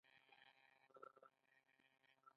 ایا ژبه مو سپینه ده؟